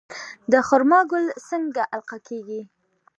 د خرما ګل څنګه القاح کیږي؟